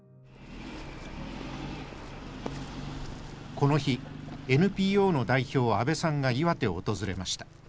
この日ＮＰＯの代表阿部さんが岩手を訪れました。